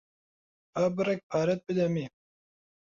با بڕێک پارەت بدەمێ.